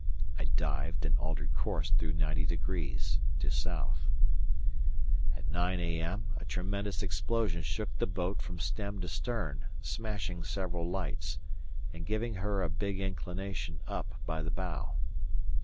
I dived and altered course through ninety degrees to south. At 9 a.m. a tremendous explosion shook the boat from stem to stern, smashing several lights, and giving her a big inclination up by the bow.